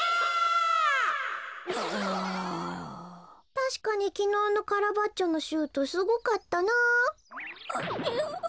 「たしかにきのうのカラバッチョのシュートすごかったなぁ」。